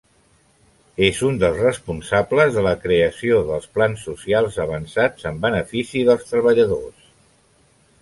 És un dels responsables de la creació dels plans socials avançats en benefici dels treballadors.